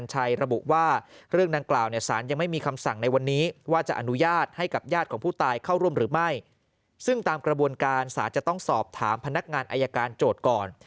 ซึ่งตามกระบวนการศาลจะต้องสอบถามพนักงานอายการโจทย์ก่อน